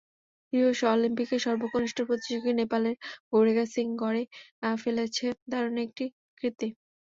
Rio অলিম্পিকের সর্বকনিষ্ঠ প্রতিযোগী নেপালের গৌরিকা সিং গড়ে ফেলেছে দারুণ একটা কীর্তি।